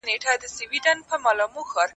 څوک عليم او خبير دی؟